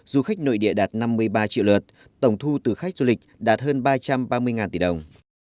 du khách nội địa đạt năm mươi ba triệu lượt tổng thu từ khách du lịch đạt hơn ba trăm ba mươi tỷ đồng